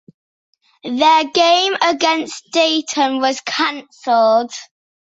Their game against Dayton was canceled.